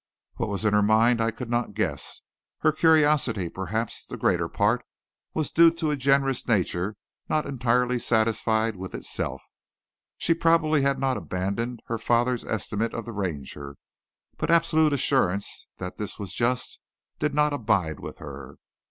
What was in her mind I could not guess; her curiosity, perhaps the greater part, was due to a generous nature not entirely satisfied with itself. She probably had not abandoned her father's estimate of the Ranger but absolute assurance that this was just did not abide with her.